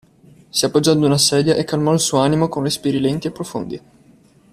Si appoggiò ad una sedia e calmò il suo animo con respiri lenti e profondi.